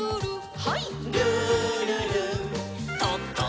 はい。